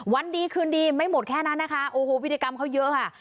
วันดีคืนดีไม่หมดแค่นั้นนะคะโอ้โหวิธีกรรมเขาเยอะค่ะ